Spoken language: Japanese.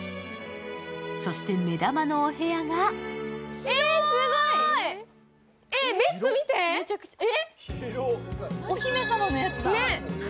そして目玉のお部屋がお姫様のやつだ。